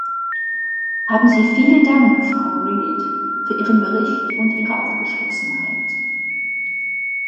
Haben Sie vielen Dank, Frau Read, für Ihren Bericht und Ihre Aufgeschlossenheit.